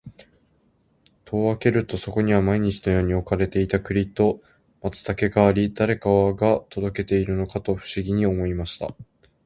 兵十が戸を開けると、そこには毎日のように置かれていた栗と松茸があり、誰が届けているのかと不思議に思いました。